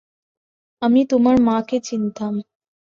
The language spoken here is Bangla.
আমি তোমার মাকে চিনতাম।